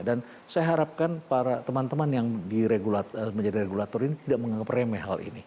dan saya harapkan para teman teman yang menjadi regulator ini tidak menganggap remeh hal ini